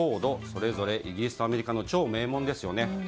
それぞれイギリスとアメリカの超名門ですね。